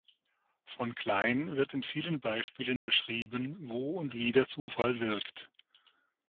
Von Klein wird in vielen Beispielen beschrieben, wo und wie der Zufall wirkt.